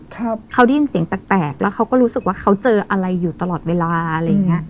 ครับเขาได้ยินเสียงแปลกแปลกแล้วเขาก็รู้สึกว่าเขาเจออะไรอยู่ตลอดเวลาอะไรอย่างเงี้ย